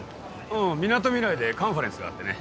うんみなとみらいでカンファレンスがあってね。